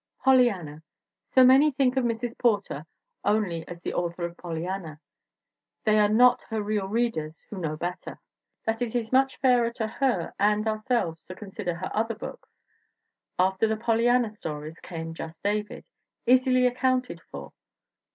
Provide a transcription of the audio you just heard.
... Pollyanna So many think of Mrs. Porter only as the author of Pollyanna they are not her real readers who know better! that it is much fairer to her and our selves to consider her other books. After the Polly anna stories came Just David, easily accounted for.